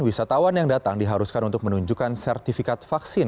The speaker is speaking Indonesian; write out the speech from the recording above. wisatawan yang datang diharuskan untuk menunjukkan sertifikat vaksin